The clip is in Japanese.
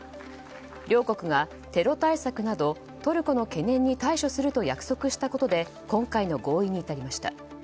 両国がテロ対策などトルコの懸念に対処すると約束したことで今回の合意に至りました。